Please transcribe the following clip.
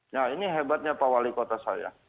nah ini hebatnya pak wali kota saya